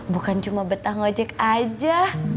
bukan cuma betah ngojek aja